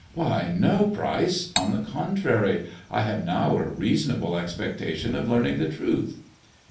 " Why, no, Pryce ! On the contrary, I have now a reasonable expectation of learning the truth."